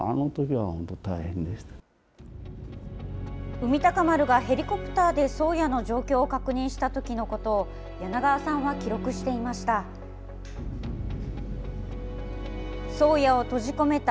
海鷹丸がヘリコプターで宗谷の状況を確認したときのことを柳川さんは記録していました。